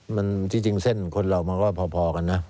เอ่อมันจริงเส้นคนเรามันก็พอกันนะ